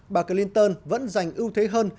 bà clinton vẫn giành ưu thế hơn